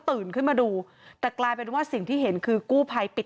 ขึ้นมาดูแต่กลายเป็นว่าสิ่งที่เห็นคือกู้ภัยปิด